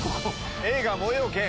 映画『燃えよ剣』。